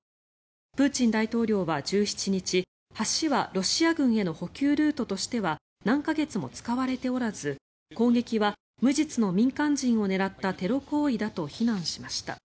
プーチン大統領は１７日橋はロシア軍への補給ルートとしては何か月も使われておらず攻撃は無実の民間人を狙ったテロ行為だと非難しました。